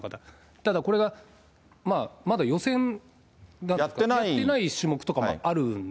ただ、これ、まだ予選やってない種目とかもあるんで。